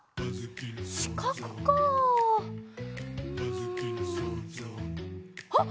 しかくかうんあっ！